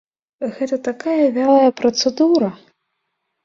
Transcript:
Гэта такая вялая працэдура.